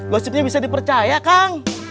gosipnya bisa dipercaya kang